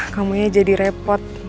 kamunya jadi repot